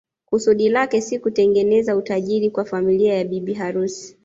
Kusudi lake si kutengeneza utajijri kwa familia ya bibi harusi